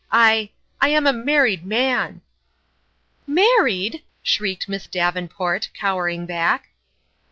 ... I I am a married man !"" Married !" shrieked Miss Davenport, cowering back.